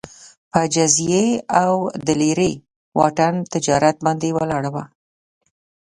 په جزیې او د لېرې واټن تجارت باندې ولاړه وه